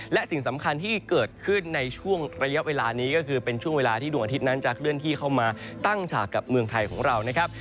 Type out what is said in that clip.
และสิ่งสำคัญที่เกิดขึ้นในช่วงระยะเวลานี้ก็คือเป็นช่วงเวลาที่ดวงอาทิตย์นั้นจะเคลื่อนที่เข้ามาตั้งฉากกับเมืองไทยของเรานะครับ